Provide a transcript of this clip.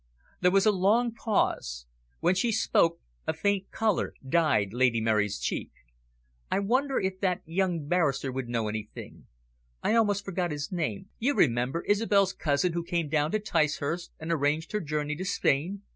There was a long pause. When she spoke, a faint colour dyed Lady Mary's cheek. "I wonder if that young barrister would know anything; I almost forget his name you remember, Isobel's cousin who came down to Ticehurst and arranged her journey to Spain.